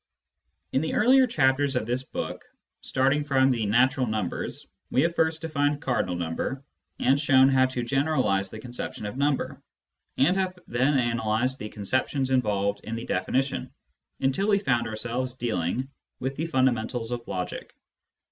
In the earlier chapters of this book, starting from the natural numbers, we have first defined " cardinal number " and shown how to generalise the conception of number, and have then analysed the conceptions involved in the definition, until we found ourselves dealing with the fundamentals of logic.